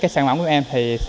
sản phẩm của em